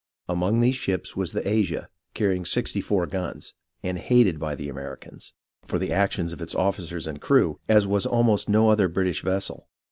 Among these ships was the Asia, carrying sixty four guns, and hated by the Americans, for the actions of its officers and crew, as was almost no other British vessel.